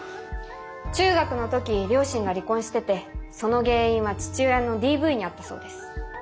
中学の時両親が離婚しててその原因は父親のＤＶにあったそうです。